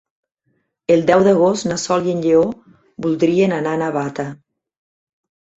El deu d'agost na Sol i en Lleó voldrien anar a Navata.